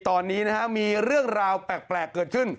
ตอนนี้นะฮะมีเรื่องราวแปลกเกิดขึ้น